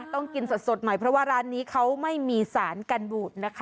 ต้องกินสดหน่อยเพราะว่าร้านนี้เขาไม่มีสารกันบูดนะคะ